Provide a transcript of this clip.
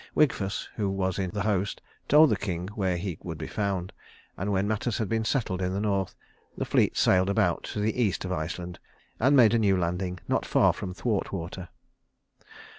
Wigfus, who was in the host, told the king where he would be found, and when matters had been settled in the north the fleet sailed about to the east of Iceland and made a new landing, not far from Thwartwater.